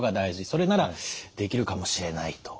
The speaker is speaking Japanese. それならできるかもしれないと。